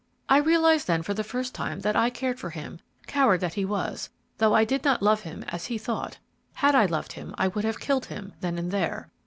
I realized then for the first time that I cared for him, coward that he was, though I did not love him as he thought, had I loved him, I would have killed him, then and there.